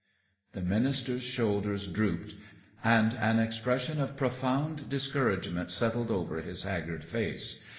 The minister's shoulders drooped, and an expression of profound discouragement settled over his haggard face.